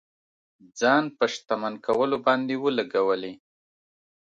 ځان په شتمن کولو باندې ولګولې.